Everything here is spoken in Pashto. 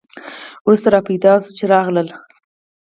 وروسته را پیدا شول چې راغلل.